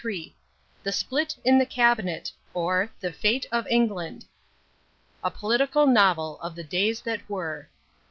III THE SPLIT IN THE CABINET OR, THE FATE OF ENGLAND (A political novel of the Days that Were) _III.